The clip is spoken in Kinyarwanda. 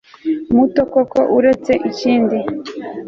muto koko uretse ikindi